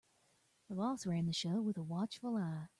The boss ran the show with a watchful eye.